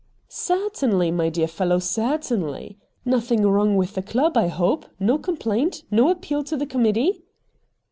' Certainly, my dear fellow, certainly. Nothing wrong with the club, I hope. No complaint ? No appeal to the Committee